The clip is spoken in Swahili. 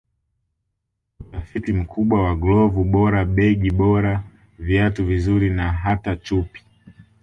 Utafiti mkubwa wa glovu bora begi bora viatu vizuri na hata chupi